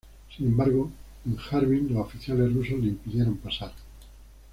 Sin embargo, en Harbin, los oficiales rusos le impidieron pasar.